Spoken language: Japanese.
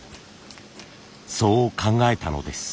そう考えたのです。